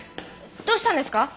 どうしたんですか？